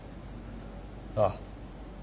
ああ。